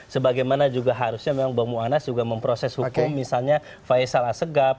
sebagaimana juga harusnya memang bang mu'annas memproses hukum misalnya faisal asegap